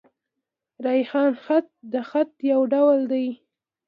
ریحان خط؛ د خط يو ډول دﺉ.